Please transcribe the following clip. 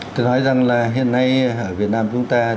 tôi nói rằng là hiện nay ở việt nam chúng ta